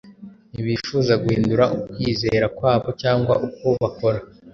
Ntibifuza guhindura ukwizera kwabo cyangwa uko bakora,